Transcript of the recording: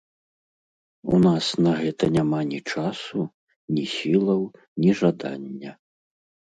У нас на гэта няма ні часу, ні сілаў, ні жадання.